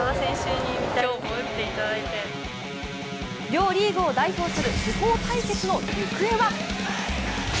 両リーグを代表する主砲対決の行方は？